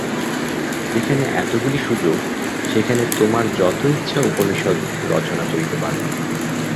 যেখানে এতগুলি সুযোগ, সেখানে তোমার যত ইচ্ছা উপনিষদ রচনা করিতে পার।